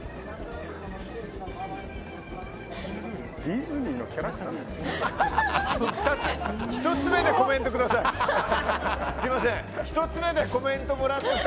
ディズニーのキャラクターみたい。